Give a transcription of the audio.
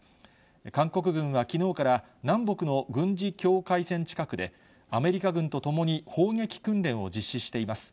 韓国軍はきのうから、南北の軍事境界線近くで、アメリカ軍とともに砲撃訓練を実施しています。